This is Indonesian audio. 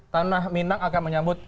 tanah minang akan menyambut